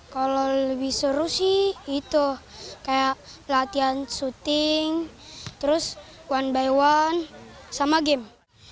kalau lebih seru sih itu kayak latihan syuting terus one by one sama game